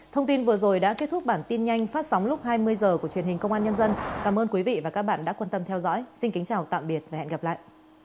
thông tin vừa rồi đã kết thúc bản tin nhanh phát sóng lúc hai mươi h của truyền hình công an nhân dân cảm ơn quý vị và các bạn đã quan tâm theo dõi xin kính chào tạm biệt và hẹn gặp lại